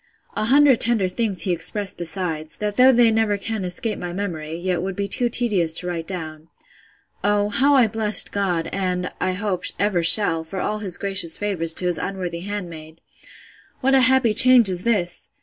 A hundred tender things he expressed besides, that though they never can escape my memory, yet would be too tedious to write down. Oh, how I blessed God, and, I hope, ever shall, for all his gracious favours to his unworthy handmaid! What a happy change is this!